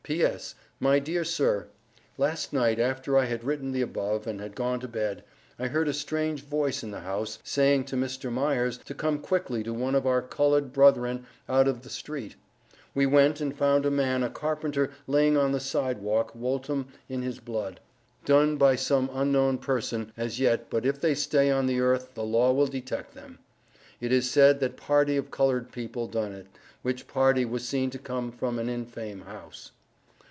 P.S. My dear Sir. Last night after I had written the above, and had gone to bed, I heard a strange voice in the house, Saying to Mr. Myers to come quickly to one of our colod Brotheran out of the street. We went and found a man a Carpenter laying on the side walk woltun in his Blood. Done by some unknown Person as yet but if they stay on the earth the law will deteck them. It is said that party of colord people done it, which party was seen to come out an infame house.